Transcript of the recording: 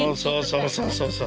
そうそうそうそう。